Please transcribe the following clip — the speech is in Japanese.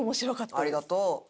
ありがとう。